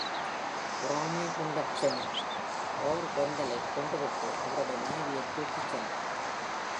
பொறாமை கொண்ட ஃபெங், ஆர்வெண்டலைக் கொன்றுவிட்டு, அவருடைய மனைவியைத் தூக்கிச் சென்றார்.